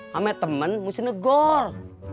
sama temen mesti negor